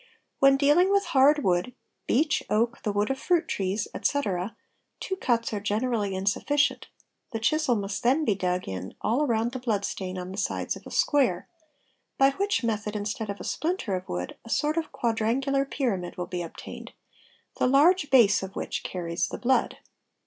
When dealing with hard wood i (beech, oak, the wood of fruit trees, etc.,) two cuts are generally insuffi "cient; the chisel must then be dug in all round the blood stain on "the sides of a square, by which method instead of a splinter of wood a sort of quadrangular' pyramid will be obtained, the large base of which _ carries the blood.